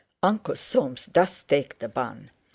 Uncle Soames does take the bun.